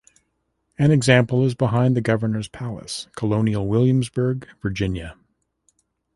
An example is behind the Governor's Palace, Colonial Williamsburg, Virginia.